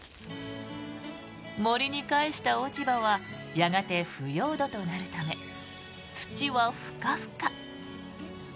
杜に返した落ち葉はやがて腐葉土となるため土はふかふか。